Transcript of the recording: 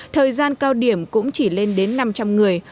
thời gian cao điểm cũng chỉ lên đến năm trăm linh người